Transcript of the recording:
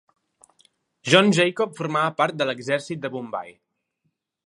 John Jacob formava part de l'exèrcit de Bombai.